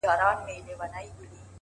• زه به دا ټول كندهار تاته پرېږدم؛